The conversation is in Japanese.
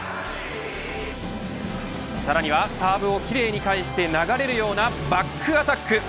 さらにはサーブを奇麗に返して流れるようなバックアタック。